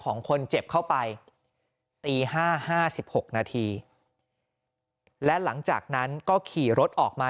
ของคนเจ็บเข้าไปตี๕๕๖นาทีและหลังจากนั้นก็ขี่รถออกมา